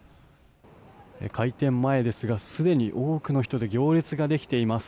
開店前ですがすでに多くの人で行列ができています。